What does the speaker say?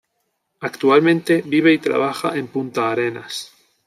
Actualmente vive y trabaja en Punta Arenas.